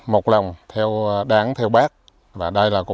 một lòng đáng theo bác